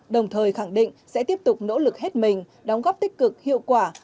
đồng thời khẳng định sẽ tiếp tục nỗ lực hết mình đóng góp tích cực hiệu quả